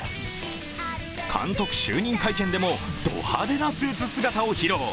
監督就任会見でもド派手なスーツ姿を披露。